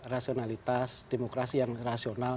rasionalitas demokrasi yang rasional